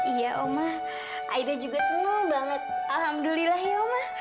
iya oma aida juga senang banget alhamdulillah ya omah